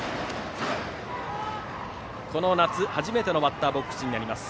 この夏、初めてのバッターボックスになります。